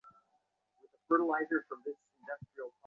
যেমন ইচ্ছা হইল, অমনি আর সবুর সহিল না।